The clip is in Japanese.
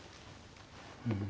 うん。